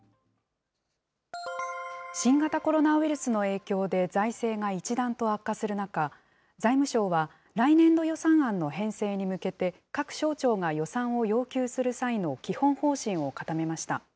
新型コロナウイルスの影響で、財政が一段と悪化する中、財務省は、来年度予算案の編成に向けて、各省庁が予算を要求する際の基本方針を固めました。